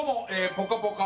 「ぽかぽか」